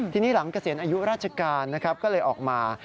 ทีนี้หลังเกษียณอายุราชการนะครับก็เลยออกมา